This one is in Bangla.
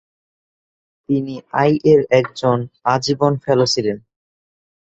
তিনি আইইইই এর একজন আজীবন ফেলো ছিলেন।